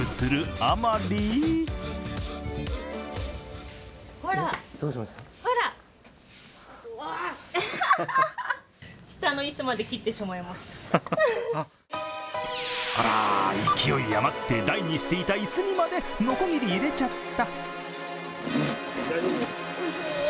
あまりあら、勢い余って台にしていた椅子にまでのこぎり入れちゃった。